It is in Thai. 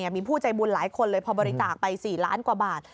มีผู้ใจบุญหลายคนเลยพอบริจาคไป๔ล้านกว่าบาท